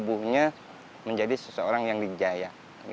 dan tubuhnya menjadi seseorang yang dijaya